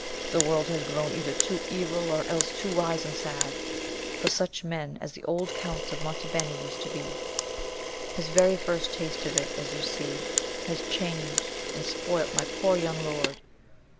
The world has grown either too evil, or else too wise and sad, for such men as the old Counts of Monte Beni used to be. His very first taste of it, as you see, has changed and spoilt my poor young lord.